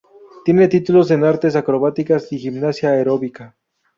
Tiene títulos en artes acrobáticas y gimnasia aeróbica.